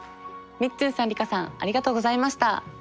みっつんさんリカさんありがとうございました。